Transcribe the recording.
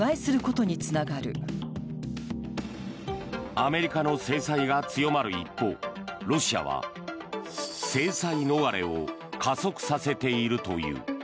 アメリカの制裁が強まる一方ロシアは制裁逃れを加速させているという。